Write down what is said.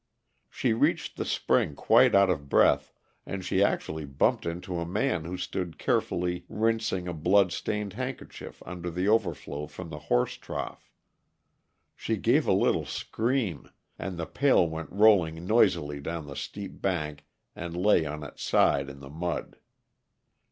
She reached the spring quite out of breath, and she actually bumped into a man who stood carefully rinsing a bloodstained handkerchief under the overflow from the horse trough. She gave a little scream, and the pail went rolling noisily down the steep bank and lay on its side in the mud.